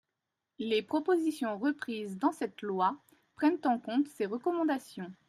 Les propositions reprises dans cette loi prennent en compte ces recommandations.